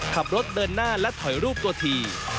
ขับรถเดินหน้าและถอยรูปตัวที